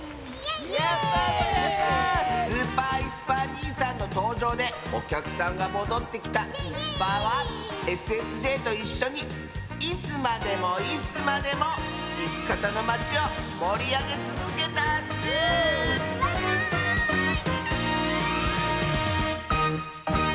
スーパーいすパーにいさんのとうじょうでおきゃくさんがもどってきたいすパーはＳＳＪといっしょにいすまでもいすまでもいすかたのまちをもりあげつづけたッスバイバーイ！